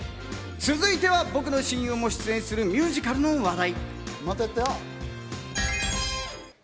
続いては、僕の親友も出演するミュージカルの話題。